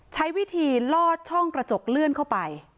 ใช้วิธีลอดช่องกระจกเลื่อนเข้าไป